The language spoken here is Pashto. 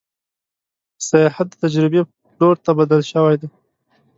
سیاحت د تجربې پلور ته بدل شوی دی.